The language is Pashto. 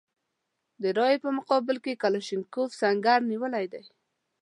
د رایې په مقابل کې کلاشینکوف سنګر نیولی دی.